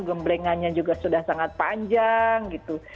gemblengannya juga sudah sangat panjang gitu